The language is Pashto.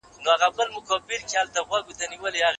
اسدالله خان هرات ته فاتح او منصور راستون شو.